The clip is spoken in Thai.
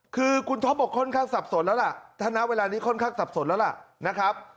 คือคุณท็อปบอกค่อนข้างสับสนแล้วล่ะถ้าณเวลานี้ค่อนข้างสับสนแล้วล่ะนะครับ